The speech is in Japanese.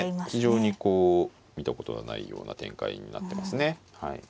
非常にこう見たことがないような展開になってますね。